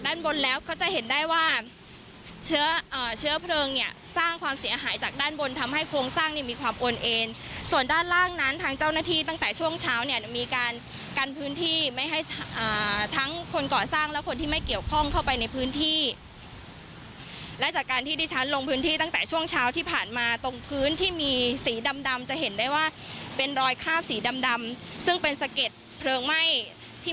ด้านบนแล้วเขาจะเห็นได้ว่าเชื้ออ่าเชื้อเพลิงเนี่ยสร้างความเสียหายจากด้านบนทำให้โครงสร้างเนี่ยมีความโอนเอนส่วนด้านล่างนั้นทางเจ้าหน้าที่ตั้งแต่ช่วงเช้าเนี่ยมีการกันพื้นที่ไม่ให้อ่าทั้งคนก่อสร้างแล้วคนที่ไม่เกี่ยวข้องเข้าไปในพื้นที่และจากการที่ดิฉันลงพื้นที่ตั้งแต่ช่วงเช้าที่